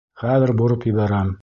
Хәҙер бороп ебәрәм.